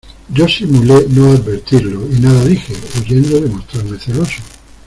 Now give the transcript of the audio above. yo simulé no advertirlo, y nada dije , huyendo de mostrarme celoso.